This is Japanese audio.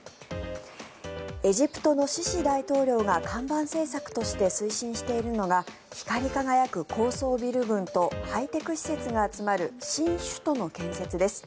エジプトのシシ大統領が看板政策として推進しているのが光り輝く高層ビル群とハイテク施設が集まる新首都の建設です。